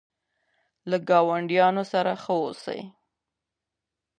له ګاونډیانو سره ښه اوسئ.